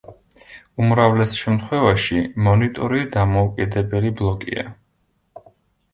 უმრავლეს შემთხვევაში მონიტორი დამოუკიდებელი ბლოკია.